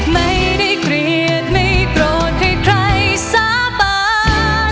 ไม่ได้เกลียดไม่โกรธให้ใครสาบา